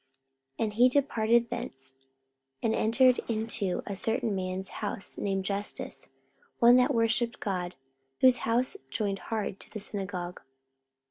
44:018:007 And he departed thence, and entered into a certain man's house, named Justus, one that worshipped God, whose house joined hard to the synagogue.